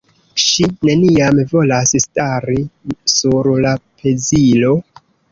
Ŝi neniam volas stari sur la pezilo.